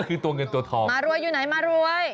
คือตัวเงินตัวทองมารวยอยู่ไหนมารวย